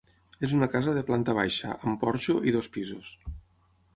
És una casa de planta baixa, amb porxo, i dos pisos.